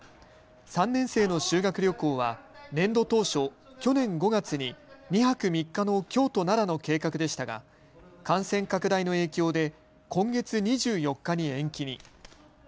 ３年生の修学旅行は年度当初、去年５月に２泊３日の京都・奈良の計画でしたが感染拡大の影響で今月２４日に延期に。